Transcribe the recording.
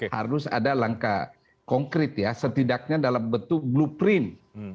harus ada langkah konkret ya setidaknya dalam bentuk blueprint